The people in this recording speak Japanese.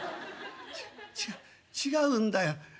「違う違う違うんだよ。